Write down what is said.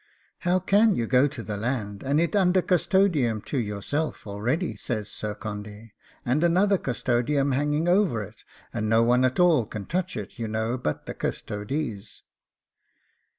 'How can you go to the land, and it under custodiam to yourself already?' says Sir Condy; 'and another custodiam hanging over it? And no one at all can touch it, you know, but the custodees.